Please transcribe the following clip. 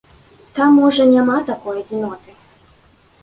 Там можа няма такой адзiноты.